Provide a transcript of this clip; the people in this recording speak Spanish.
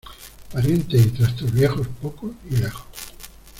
Parientes y trastos viejos, pocos y lejos.